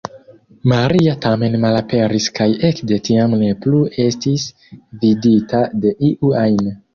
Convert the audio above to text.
Maria tamen malaperis kaj ekde tiam ne plu estis vidita de iu ajn.